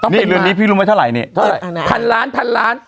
นี่เรือนี้พี่รู้ไว้เท่าไหร่เนี่ย๑๐๐๐ล้าน๑๐๐๐ล้าน